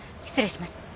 失礼します。